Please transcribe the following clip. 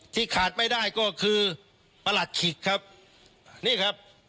ขาดไม่ได้ก็คือประหลัดขิกครับนี่ครับ